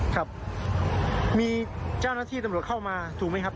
ครับมีเจ้าหน้าที่ตำรวจเข้ามาถูกไหมครับ